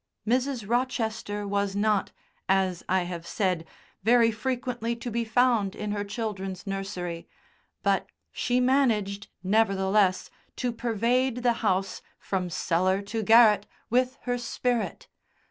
Mrs. Rochester was not, as I have said, very frequently to be found in her children's nursery, but she managed, nevertheless, to pervade the house, from cellar to garret, with her spirit.